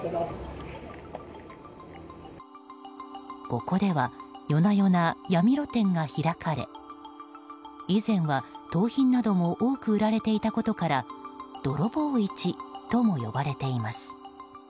ここでは夜な夜な闇露店が開かれ以前は盗品なども多く売られていたことから泥棒市とも呼ばれています。